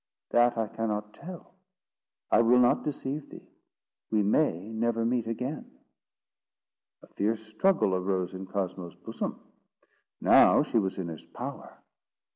"That I cannot tell, I will not deceive thee; we may never meet again." A fierce struggle arose in Cosmo's bosom. Now she was in his power.